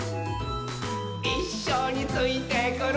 「いっしょについてくる」